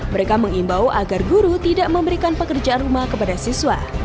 mereka mengimbau agar guru tidak memberikan pekerjaan rumah kepada siswa